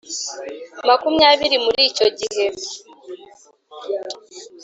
makumyabiri Muri icyo gihe